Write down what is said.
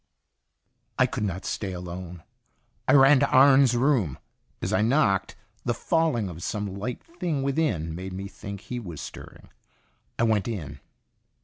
I could not stay alone. I ran to Arne's room. As I knocked, the falling of some light thing within made me think he was stirring. I went in.